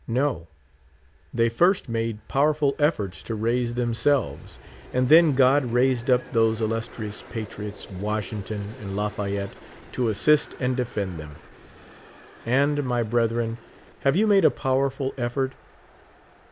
No ; they first made pow erful efforts to raise themselves, and then God raised up those illustrious patriots, Washington and Lafayette, to assist and defend them. And. my bretliren, have you made a powerful effort?